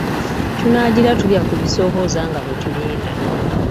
Tunaagira tulya ku bisoobooza nga bwe tulinda.